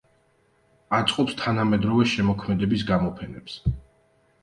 აწყობს თანამედროვე შემოქმედების გამოფენებს.